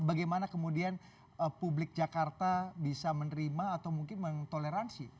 bagaimana kemudian publik jakarta bisa menerima atau mungkin mentoleransi